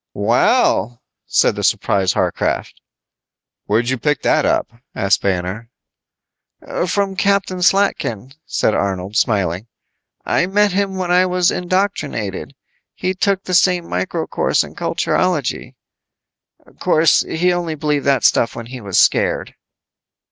"Well," said the surprised Warcraft. "Where'd you pick that up," asked Banner. "From Captain Slatkin," said Arnold, smiling. "I met him when I was indoctrinated. He took the same micro course in culturology. 'Course, he only believed that stuff when he was scared."